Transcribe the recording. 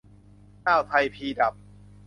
อ้าว ไทยพีดับ